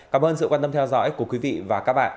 cảm ơn sự quan tâm theo dõi của quý vị và các bạn